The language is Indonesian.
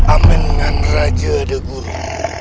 amenan raja degulu